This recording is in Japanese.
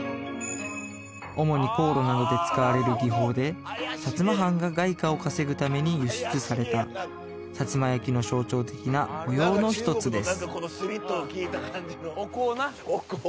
主に香炉などで使われる技法で薩摩藩が外貨を稼ぐために輸出された薩摩焼の象徴的な模様の１つです